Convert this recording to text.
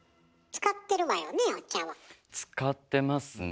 使ってますね。